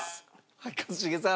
一茂さん。